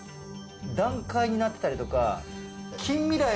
段階になってたりとか。